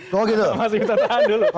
mas miftah tahan dulu